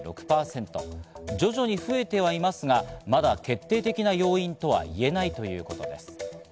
徐々に増えていますが、まだ決定的な要因とは言えないということです。